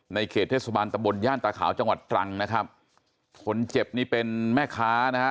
เขตเทศบาลตะบนย่านตาขาวจังหวัดตรังนะครับคนเจ็บนี่เป็นแม่ค้านะฮะ